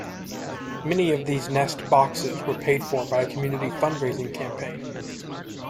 Many of these nest boxes were paid for by a community fundraising campaign.